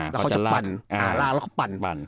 แล้วเขาจะปั่นล่าแล้วก็ปั่น